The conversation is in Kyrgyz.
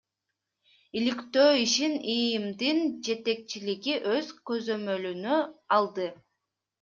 Иликтөө ишин ИИМдин жетекчилиги өз көзөмөлүнө алды.